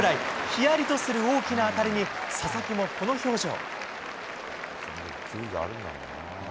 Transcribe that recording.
ひやりとする大きな当たりに、佐々木もこの表情。